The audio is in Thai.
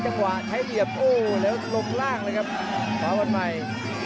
จังหวะใช้เหลี่ยมโอ้แล้วลงล่างเลยครับขวาวันใหม่